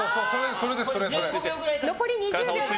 残り２０秒です。